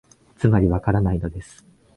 つまり、わからないのです